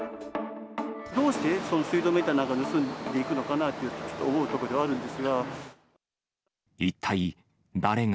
どうしてその水道メーターなんか盗んでいくのかなと思うところではあるんですが。